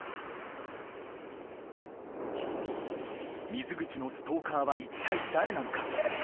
水口のストーカーは一体誰なのか？